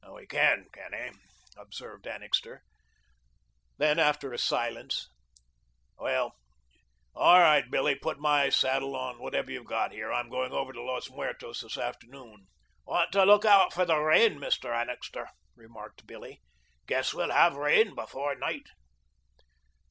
"He can, can he?" observed Annixter. Then after a silence, "Well, all right, Billy; put my saddle on whatever you've got here. I'm going over to Los Muertos this afternoon." "Want to look out for the rain, Mr. Annixter," remarked Billy. "Guess we'll have rain before night."